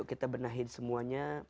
yuk kita benahi semuanya